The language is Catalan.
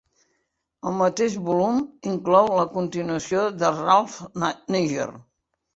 El mateix volum inclou la continuació de Ralph Niger.